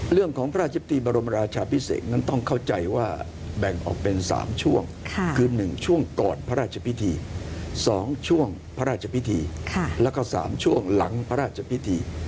เรื่องของพระราชพิธีบรมราชาพิเศษนั้นต้องเข้าใจว่าแบ่งออกเป็น๓ช่วงคือ๑ช่วงก่อนพระราชพิธี๒ช่วงพระราชพิธีแล้วก็๓ช่วงหลังพระราชพิธี